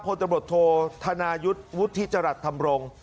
พลตำรวจโทษธนายุทธ์วุฒิจรัสธรรมรงค์